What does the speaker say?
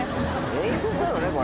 演出なのねこれ。